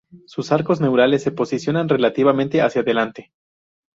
Sus arcos neurales se posicionan relativamente hacia adelante.